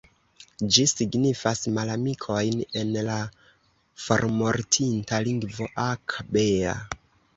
Ĝi signifas "malamikojn" en la formortinta lingvo Aka-Bea.